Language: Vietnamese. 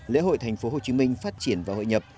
lễ hội thành phố hồ chí minh phát triển vào hội nhập